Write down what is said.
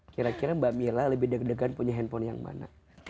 kira kira mbak mira lebih deg degan punya handphone yang mana